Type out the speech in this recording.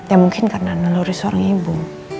ya mungkin karena neluri seorang ibu